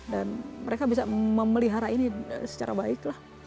mereka bisa memelihara ini secara baik lah